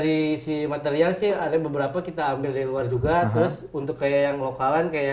ini kemarin bronco khususnya